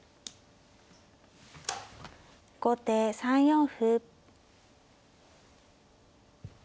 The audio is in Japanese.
後手３四歩。